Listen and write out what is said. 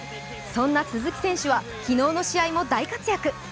そんな鈴木選手は昨日の試合も大活躍。